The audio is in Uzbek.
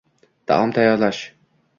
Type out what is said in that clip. Taom tayyorlash.